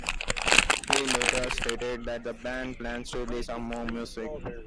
He later stated that the band plans to release more music.